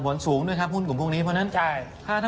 เผินเกิดหยุดหนุนปุ๊บก็ต้องมาขายในราคาทุก